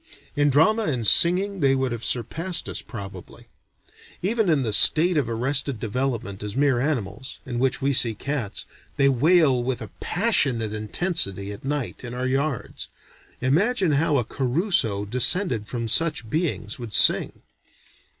In drama and singing they would have surpassed us probably. Even in the state of arrested development as mere animals, in which we see cats, they wail with a passionate intensity at night in our yards. Imagine how a Caruso descended from such beings would sing.